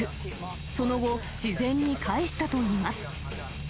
その後、自然に帰したといいます。